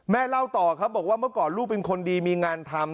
เล่าต่อครับบอกว่าเมื่อก่อนลูกเป็นคนดีมีงานทำ